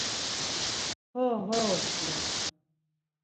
Ho ho, ya.